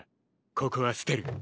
ここは捨てる。